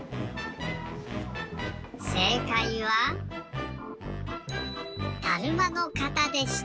せいかいはだるまの型でした。